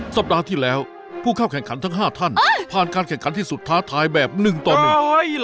สัปดาห์ที่แล้วผู้เข้าแข่งขันทั้งห้าท่านผ่านการแข่งขันที่สุดท้าทายแบบหนึ่งต่อหนึ่ง